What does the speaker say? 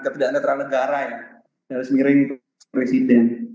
ketidaknetralan negara ya dari seiring presiden